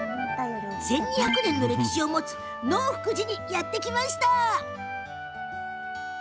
１２００年の歴史を持つ能福寺にやってきました。